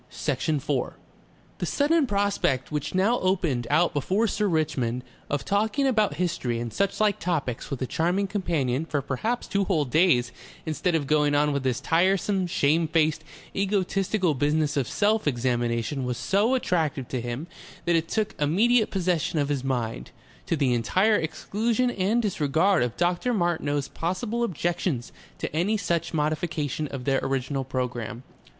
Section 4 The sudden prospect which now opened out before Sir Richmond of talking about history and suchlike topics with a charming companion for perhaps two whole days instead of going on with this tiresome, shamefaced, egotistical business of self examination was so attractive to him that it took immediate possession of his mind, to the entire exclusion and disregard of Dr. Martineau's possible objections to any such modification of their original programme.